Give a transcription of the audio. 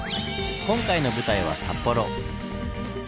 今回の舞台は札幌。